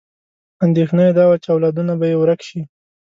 اندېښنه یې دا وه چې اولادونه به یې ورک شي.